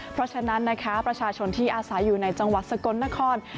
เพราะฉะนั้นนะคะประชาชนที่อาศัยอยู่ในจังหวัดสกลนคร